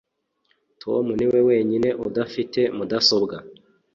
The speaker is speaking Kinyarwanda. Tom niwe wenyine udafite mudasobwa.